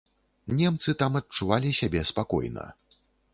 Немцы там адчувалі сябе спакойна.